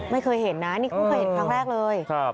ไม่เคยเห็นนะนี่เขาเคยเห็นครั้งแรกเลย